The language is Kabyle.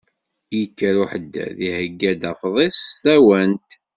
Yekker uḥeddad iheyya-d afḍis d tawent.